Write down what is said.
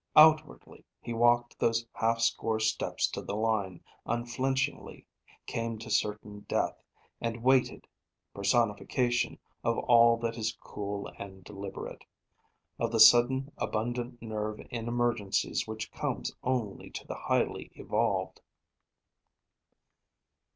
Outwardly he walked those half score steps to the line, unflinchingly; came to certain death, and waited: personification of all that is cool and deliberate of the sudden abundant nerve in emergencies which comes only to the highly evolved.